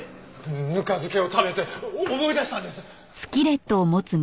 ぬか漬けを食べて思い出したんです。